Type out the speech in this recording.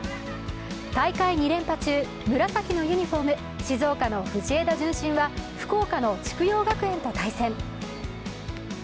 大会２連覇中、紫のユニフォーム、静岡の藤枝順心は福岡の筑陽学園と対戦。